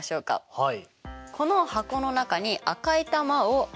はい。